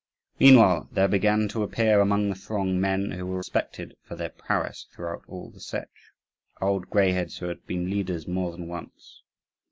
Meanwhile there began to appear among the throng men who were respected for their prowess throughout all the Setch old greyheads who had been leaders more than once.